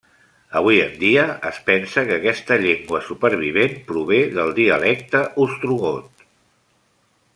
Avui en dia, es pensa que aquesta llengua supervivent prové del dialecte ostrogot.